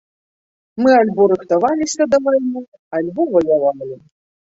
Мы альбо рыхтаваліся да вайны, альбо ваявалі.